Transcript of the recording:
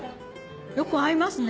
よく合いますね。